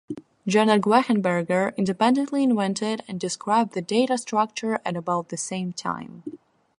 Gernot Gwehenberger independently invented and described the data structure at about the same time.